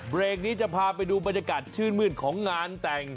เบรกนี้จะพาไปดูบรรยากาศชื่นมืดของงานแต่ง